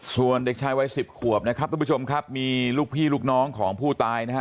ส่วนเด็กชายวัยสิบขวบนะครับทุกผู้ชมครับมีลูกพี่ลูกน้องของผู้ตายนะฮะ